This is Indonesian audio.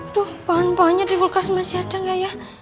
aduh bahan bahannya diulkas masih ada gak ya